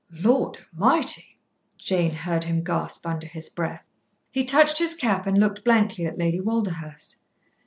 "Lord A'mighty!" Jane heard him gasp under his breath. He touched his cap and looked blankly at Lady Walderhurst.